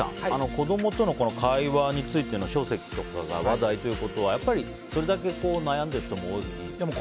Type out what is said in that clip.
子供との会話についての書籍とかが話題ということはやっぱりそれだけ悩んでる人も多い。